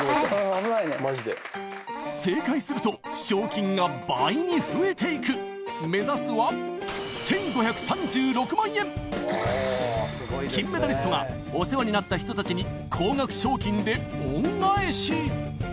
危ないね正解すると賞金が倍に増えていく目指すは金メダリストがお世話になった人たちに高額賞金で恩返し